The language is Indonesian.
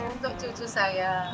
ini untuk cucu saya